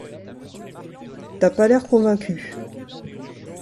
T’as pas l’air convaincu.